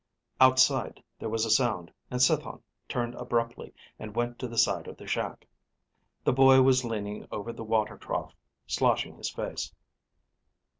Outside there was a sound, and Cithon turned abruptly and went to the side of the shack. The boy was leaning over the water trough, sloshing his face.